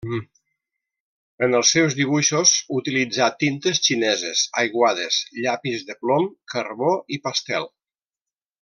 En els seus dibuixos utilitzà tintes xineses, aiguades, llapis de plom, carbó i pastel.